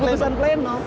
dengan putusan pleno